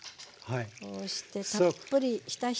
こうしてたっぷりひたひたまで入れて。